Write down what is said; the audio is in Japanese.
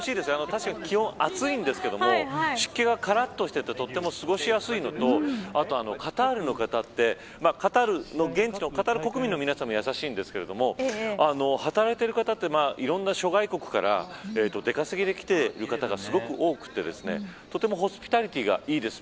確かに暑いんですけど湿気がからっとしていてとても過ごしやすいのとカタールの方は国民の皆さんも優しいんですけど働いている方っていろんな諸外国から出稼ぎで来ている方が多くてとてもホスピタリティーがいいです。